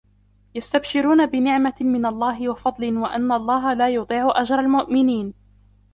يستبشرون بنعمة من الله وفضل وأن الله لا يضيع أجر المؤمنين